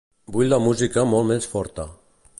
Vull la música molt més forta.